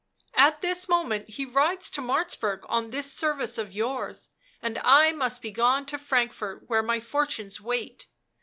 " At this moment he rides to Martzburg on this service of yours, and I must begone to Frankfort where my fortunes wait.